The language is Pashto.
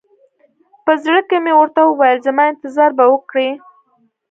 په زړه کښې مې ورته وويل زما انتظار به وکړې.